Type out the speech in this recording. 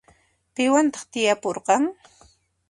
Piwantaq tiyapurqan?